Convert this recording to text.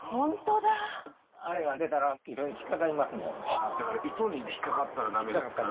だから糸に引っかかったら駄目ですから。